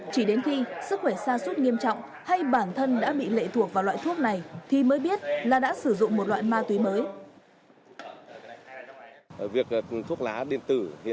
chỉ đến lúc này các bạn có thể nhìn thấy là loại thuốc lá điện tử có chứa chất ma túy